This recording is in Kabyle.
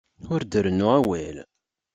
Ur d-rennu awal!